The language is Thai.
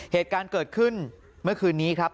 เหตุการณ์เกิดขึ้นเมื่อคืนนี้ครับ